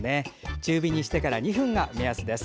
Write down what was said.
中火にしてから２分が目安です。